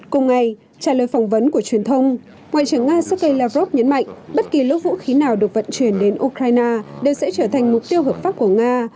cùng ngày trả lời phỏng vấn của truyền thông ngoại trưởng nga sergei lavrov nhấn mạnh bất kỳ lỗi vũ khí nào được vận chuyển đến ukraine đều sẽ trở thành mục tiêu hợp pháp của nga